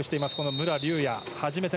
武良竜也。